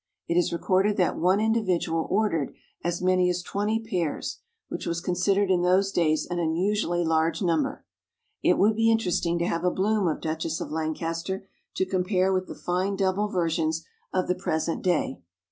It is recorded that one individual ordered as many as twenty pairs, which was considered in those days an unusually large number. It would be interesting to have a bloom of Duchess of Lancaster to compare with the fine double varieties of the present day.